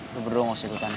gue berdua gak usah ikutannya